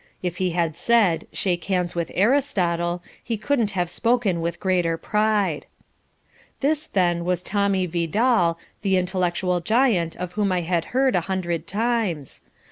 If he had said, "Shake hands with Aristotle," he couldn't have spoken with greater pride. This then was Tommy Vidal, the intellectual giant of whom I had heard a hundred times.